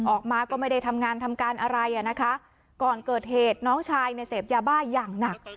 ออกมาก็ไม่ได้ทำงานทำการอะไรอ่ะนะคะก่อนเกิดเหตุน้องชายเนี่ยเสพยาบ้าอย่างหนัก